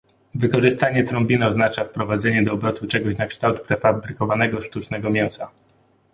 Wykorzystanie trombiny oznacza wprowadzenie do obrotu czegoś na kształt prefabrykowanego, sztucznego mięsa